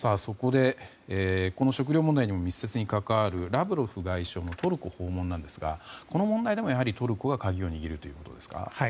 この食料問題にも密接に関わるラブロフ外相のトルコ訪問なんですがこの問題でも、やはりトルコが鍵を握るということですか。